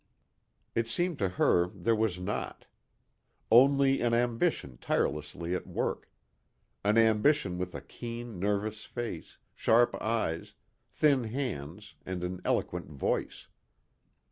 It seemed to her there was not. Only an ambition tirelessly at work. An ambition with a keen, nervous face, sharp eyes, thin hands and an eloquent voice.